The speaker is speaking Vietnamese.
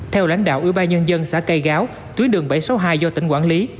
theo lãnh đạo ủy ban nhân dân xã cây gáo tuyến đường bảy trăm sáu mươi hai do tỉnh quản lý